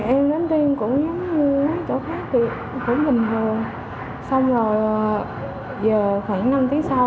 em đến tiêm cũng giống như mấy chỗ khác thì cũng bình thường xong rồi giờ khoảng năm tiếng sau